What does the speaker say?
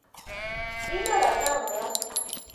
¿Imaraq kanqa?